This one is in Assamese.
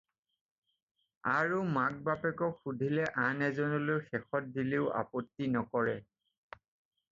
আৰু মাক-বাপেকক সুধিলে আন এজনলৈ শেষত দিলেও আপত্তি নকৰে।